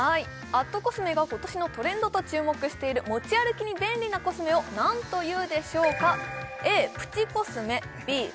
＠ｃｏｓｍｅが今年のトレンドと注目している持ち歩きに便利なコスメを何というでしょうか？